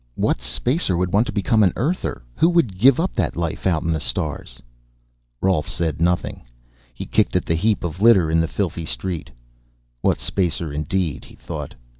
"What Spacer would want to become an Earther? Who would give up that life, out in the stars?" Rolf said nothing. He kicked at the heap of litter in the filthy street. What spacer indeed? he thought.